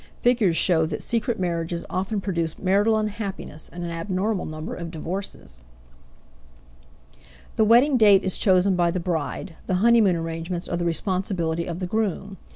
Figures show that secret marriages often produce marital unhappiness and an abnormal number of divorces. The wedding date is chosen by the bride; the honeymoon arrangements are the responsibility of the groom.